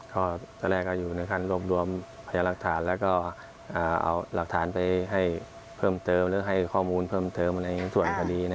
ก็ตอนแรกอยู่ในขั้นรวมพยายามลักษณ์